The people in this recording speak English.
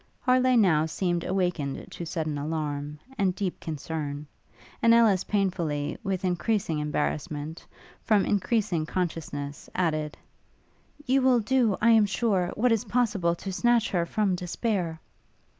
Harleigh now seemed awakened to sudden alarm, and deep concern; and Ellis painfully, with encreasing embarrassment, from encreasing consciousness, added, 'You will do, I am sure, what is possible to snatch her from despair!'